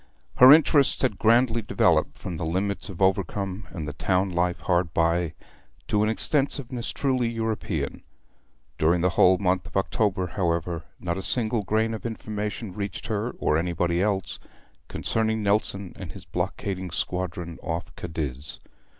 Her interests had grandly developed from the limits of Overcombe and the town life hard by, to an extensiveness truly European. During the whole month of October, however, not a single grain of information reached her, or anybody else, concerning Nelson and his blockading squadron off Cadiz.